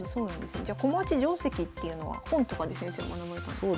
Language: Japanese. じゃ駒落ち定跡っていうのは本とかで先生学ばれたんですか？